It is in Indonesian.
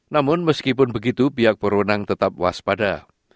namun meskipun begitu pihak berwenang tetap waspada